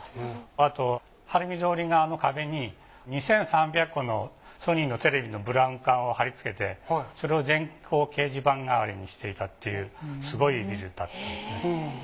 あと晴海通り側の壁に２，３００個のソニーのテレビのブラウン管を貼り付けてそれを電光掲示板代わりにしていたっていうすごいビルだったんですね。